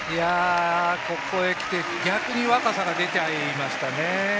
ここへきて、逆に若さが出ちゃいましたね。